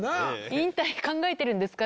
引退考えてるんですか？